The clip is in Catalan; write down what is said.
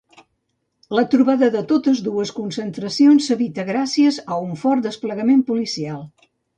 La trobada de totes dues concentracions s'evita gràcies a un fort desplegament policial.